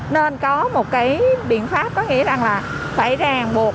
nên có một cái biện pháp có nghĩa rằng là phải ràng buộc